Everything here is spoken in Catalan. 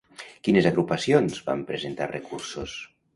Quines agrupacions van presentar recursos?